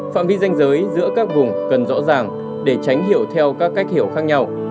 phạm vi danh giới giữa các vùng cần rõ ràng để tránh hiểu theo các cách hiểu khác nhau